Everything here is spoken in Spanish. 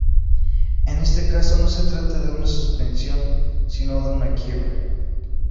En este caso no se trata de una suspensión, sino de una quiebra.